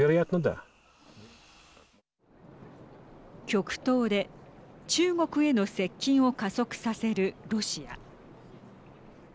極東で、中国への接近を加速させるロシア。